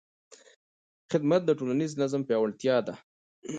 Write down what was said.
خدمت د ټولنیز نظم پیاوړتیا ده.